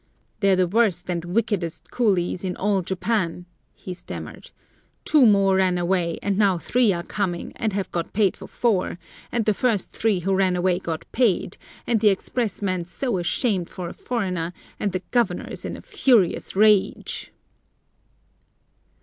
"They're the worst and wickedest coolies in all Japan," he stammered; "two more ran away, and now three are coming, and have got paid for four, and the first three who ran away got paid, and the Express man's so ashamed for a foreigner, and the Governor's in a furious rage."